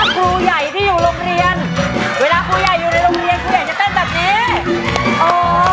ครูใหญ่ที่อยู่โรงเรียนเวลาครูใหญ่อยู่ในโรงเรียนครูใหญ่จะเต้นแบบนี้โอ้